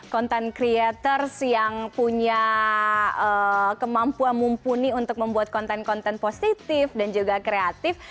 content creators yang punya kemampuan mumpuni untuk membuat konten konten positif dan juga kreatif